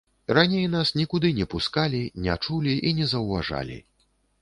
Раней нас нікуды не пускалі, не чулі і не заўважалі.